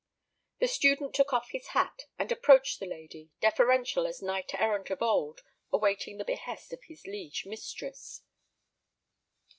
The student took off his hat, and approached the lady, deferential as knight errant of old awaiting the behest of his liege mistress.